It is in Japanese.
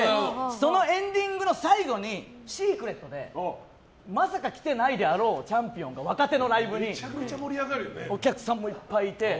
そのエンディングの最後にシークレットでまさか来てないであろうチャンピオンが若手のライブにお客さんもいっぱいいて。